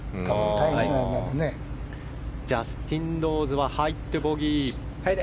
ジャスティン・ローズは入ってボギー。